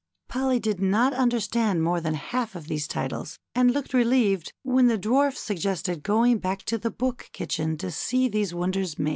Polly did not understand more than half of these titles, and looked relieved when the Dwarf suggested going to the Book Kitchen to see these wonders made.